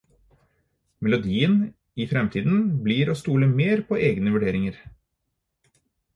Melodien i framtida blir å stole mer på egne vurderinger.